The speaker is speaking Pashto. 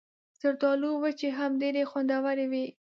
زردالو وچې هم ډېرې خوندورې وي.